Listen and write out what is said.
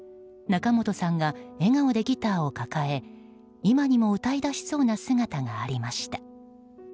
仲本さんが笑顔でギターを抱え今にも歌い出しそうな姿がありました。